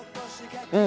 うん！